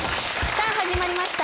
さあ始まりました